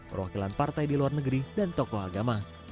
perwakilan partai di luar negeri dan tokoh agama